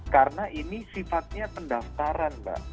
karena ini sifatnya pendaftaran mbak